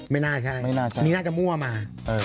ไม่น่าใช่นี่น่าจะมั่วมา